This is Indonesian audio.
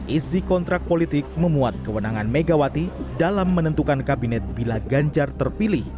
isi kontrak politik memuat kewenangan megawati dalam menentukan kabinet bila ganjar terpilih